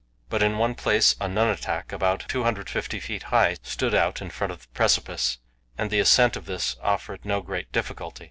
But in one place a nunatak about 250 feet high stood out in front of the precipice, and the ascent of this offered no great difficulty.